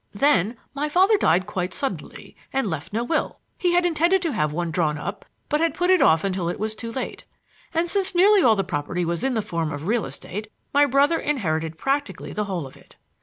"Then my father died quite suddenly, and left no will. He had intended to have one drawn up, but had put it off until it was too late. And since nearly all the property was in the form of real estate, my brother inherited practically the whole of it.